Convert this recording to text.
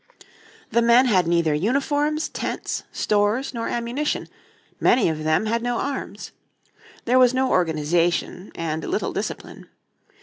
The men had neither uniforms, tents, stores nor ammunition, many of them had no arms. There was no organisation, and little discipline.